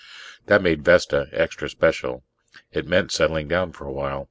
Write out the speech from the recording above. That made Vesta extra special. It meant settling down for a while.